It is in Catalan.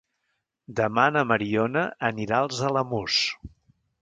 Demà na Mariona anirà als Alamús.